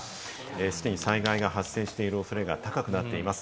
既に災害が発生している恐れが高くなっています。